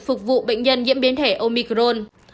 phục vụ bệnh nhân nhiễm biến thể omicron